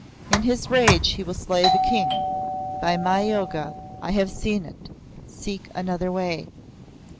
In his rage he will slay the King. By my yoga, I have seen it. Seek another way."